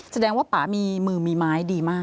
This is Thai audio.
แสดงว่าป่ามีมือมีไม้ดีมาก